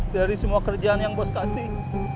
dari semua kerjaan yang bos kasih